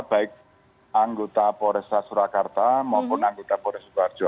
baik anggota poresa surakarta maupun anggota poresa barco